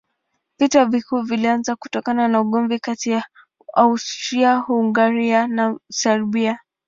Vita Kuu ilianza kutokana na ugomvi kati ya Austria-Hungaria na Serbia.